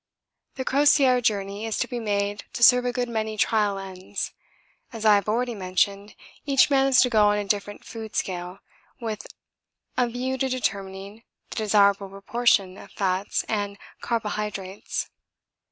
The Crozier journey is to be made to serve a good many trial ends. As I have already mentioned, each man is to go on a different food scale, with a view to determining the desirable proportion of fats and carbohydrates.